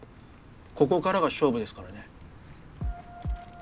ここからが勝負ですからね。